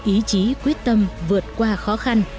ý chí quyết tâm vượt qua khó khăn